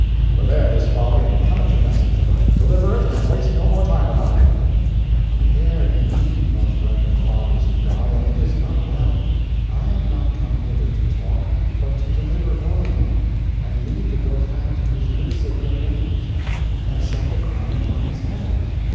"Forbear this folly, and come at your message! Deliver it, and waste no more time about it." "You err indeed, most reverend fathers in God, and it is not well. I am not come hither to talk, but to deliver Orleans, and lead the Dauphin to his good city of Rheims, and set the crown upon his head."